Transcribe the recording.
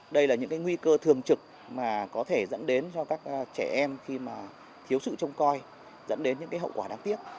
đây là những nguy cơ thường trực mà có thể dẫn đến cho các trẻ em khi mà thiếu sự trông coi dẫn đến những hậu quả đáng tiếc